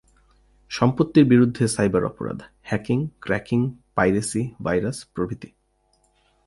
সম্পত্তির বিরুদ্ধে সাইবার অপরাধ: হ্যাকিং, ক্র্যাকিং, পাইরেসি, ভাইরাস প্রভৃতি।